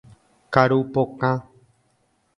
Karu pokã.